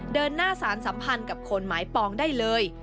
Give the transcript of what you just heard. เดินหน้าสารสัมพันธ์กับคนหมายปองได้เลย